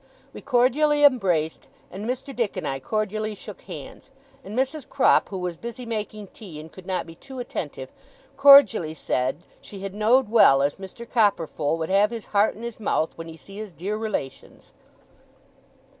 We cordially embraced; and Mr. Dick and I cordially shook hands; and Mrs. Crupp, who was busy making tea, and could not be too attentive, cordially said she had knowed well as Mr. Copperfull would have his heart in his mouth, when he see his dear relations.